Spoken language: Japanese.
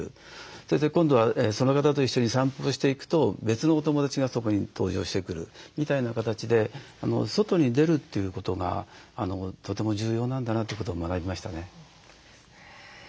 それで今度はその方と一緒に散歩をしていくと別のお友だちがそこに登場してくるみたいな形で外に出るということがとても重要なんだなということを学びましたね。